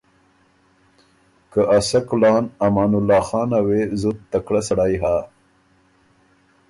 که ا سۀ کُلان امان الله خانه وې زُت تکړۀ سړئ هۀ